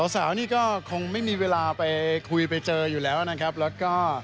สาวนี่ก็คงไม่มีเวลาไปคุยไปเจออยู่แล้วนะครับแล้วก็